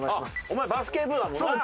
お前バスケ部だもんな。